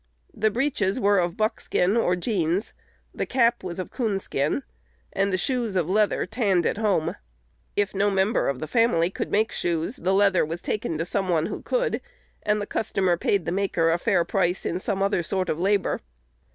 The breeches were of buck skin or jeans; the cap was of coon skin; and the shoes of leather tanned at home. If no member of the family could make shoes, the leather was taken to some one who could, and the customer paid the maker a fair price in some other sort of labor.